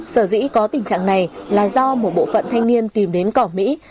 sở dĩ có tình trạng này là do một bộ phận thanh niên tìm đến cỏ mỹ